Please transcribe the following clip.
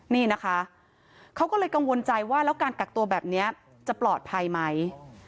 นี่นะคะเขาก็เลยกังวลใจว่าแล้วการกักตัวแบบนี้จะปลอดภัยไหม